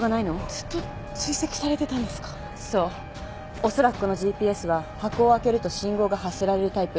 おそらくこのＧＰＳは箱を開けると信号が発せられるタイプ。